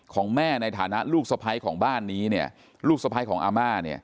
ของแม่ในฐานะลูกสะพ้ายของบ้านนี้ลูกสะพ้ายของอาม่า